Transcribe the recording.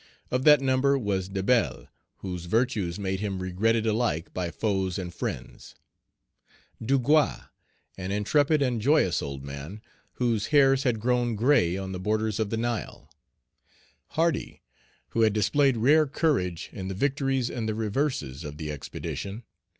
Of that number was Debelle, whose virtues made him regretted alike by foes and friends; Dugua, an intrepid and joyous old man, whose hairs had grown gray on the borders of the Nile; Hardy, who had displayed rare courage in the victories and the reverses of the expedition.